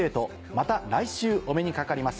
また来週お目にかかります。